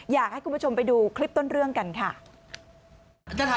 อยากให้คุณผู้ชมไปดูคลิปต้นเรื่องกันค่ะ